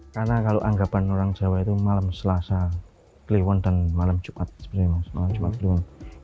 karena kalau anggapan orang jawa itu malam selasa kliwon dan malam jumat